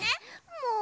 もう。